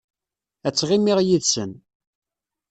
Ad ttɣimiɣ yid-sen.